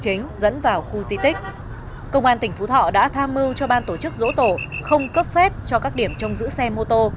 công an tỉnh phú thọ đã tham mưu cho ban tổ chức dỗ tổ không cấp phép cho các điểm trong giữ xe mô tô